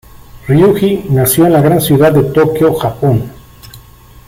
Ryuji nació en la gran ciudad de Tokio, Japón.